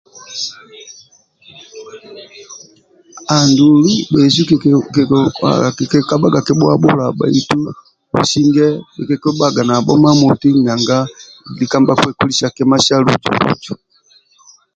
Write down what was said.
Andulu bhesu kikikabhaga kibhuhabhula bhaitu businge kikikibhaga nabho mamoti nanga lika nibhakiekolisa kima sa luju luju.